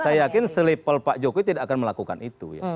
saya yakin selipel pak jokowi tidak akan melakukan itu ya